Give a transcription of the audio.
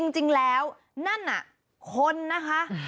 จริงแล้วนั่นน่ะคนนะคะ